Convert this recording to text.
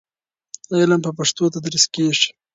علم په پښتو تدریس کېږي.